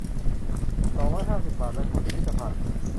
สองร้อยห้าสิบ บาท และชมพิพิธภัณฑ์